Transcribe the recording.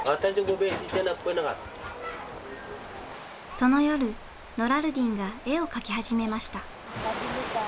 その夜ノラルディンが絵を描き始めました。